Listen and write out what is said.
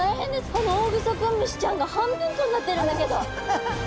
このオオグソクムシちゃんが半分こになってるんだけど！